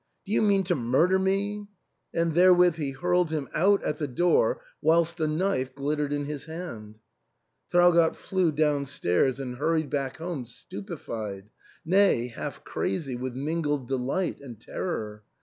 Do you mean to murder me ?" And therewith he hurled him out at the door, whilst a knife glittered in his hand. Traugott flew downstairs and hurried back home stupefied ; nay, half crazy with mingled delight and terror.